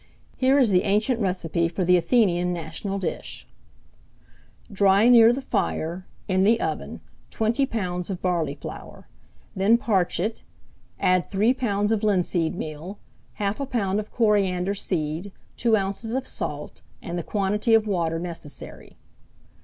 Here is the ancient recipe for the Athenian national dish: "Dry near the fire, in the oven, twenty pounds of barley flour; then parch it; add three pounds of linseed meal, half a pound of coriander seed, two ounces of salt, and the quantity of water necessary."